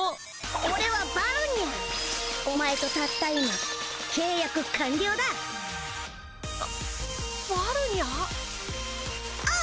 オレはバルニャーお前とたった今契約完了だバルニャーおう！